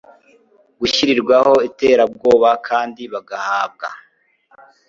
gushyirwaho iterabwoba kandi bagahabwa